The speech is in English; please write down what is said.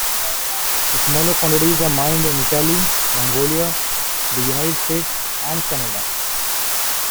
Smaller quantities are mined in Italy, Mongolia, the United States, and Canada.